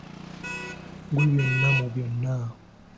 Ggwe byonna mu byonna.